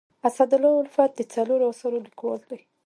اسدالله الفت د څلورو اثارو لیکوال دی.